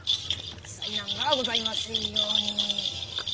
災難がございませんように。